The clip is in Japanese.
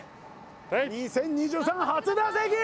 ２０２３初打席！